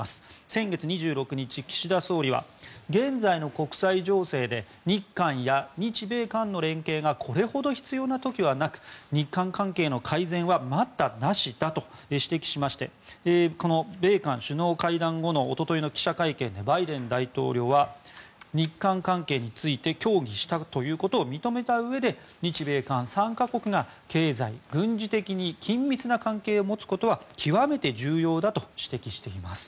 先月２６日岸田総理は現在の国際情勢で日韓や日米韓の連携がこれほど必要な時はなく日韓関係の改善は待ったなしだと指摘しまして米韓首脳会談後の一昨日の記者会見でバイデン大統領は日韓関係について協議したということを認めたうえで日米韓３か国が経済・軍事的に緊密な関係を持つことは極めて重要だと指摘しています。